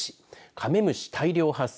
カメムシ大量発生！